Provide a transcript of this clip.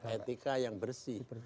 etika yang bersih